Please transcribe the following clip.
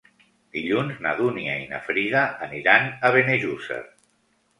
Dilluns na Dúnia i na Frida aniran a Benejússer.